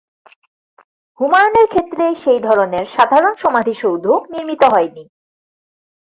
হুমায়ুনের ক্ষেত্রে সেই ধরনের সাধারণ সমাধিসৌধ নির্মিত হয়নি।